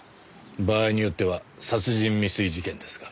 場合によっては殺人未遂事件ですが。